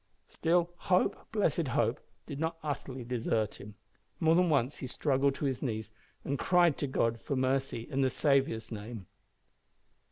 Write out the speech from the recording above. Still hope, blessed hope, did not utterly desert him. More than once he struggled to his knees and cried to God for mercy in the Saviour's name.